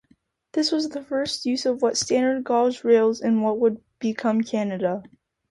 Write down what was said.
This was the first use of standard gauge rails in what would become Canada.